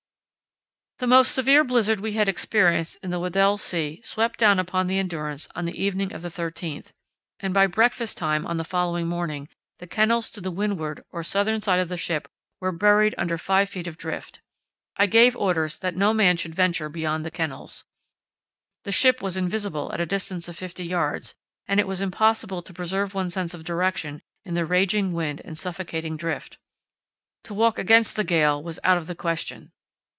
The most severe blizzard we had experienced in the Weddell Sea swept down upon the Endurance on the evening of the 13th, and by breakfast time on the following morning the kennels to the windward, or southern side of the ship were buried under 5 ft. of drift. I gave orders that no man should venture beyond the kennels. The ship was invisible at a distance of fifty yards, and it was impossible to preserve one's sense of direction in the raging wind and suffocating drift. To walk against the gale was out of the question.